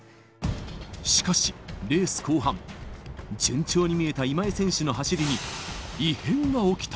しかし、レース後半、順調に見えた今井選手の走りに、異変が起きた。